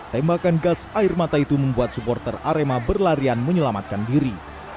tembakan gas air mata itu membuat supporter arema berlarian menyelamatkan diri